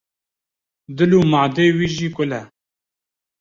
dil û madê wî jî kul e.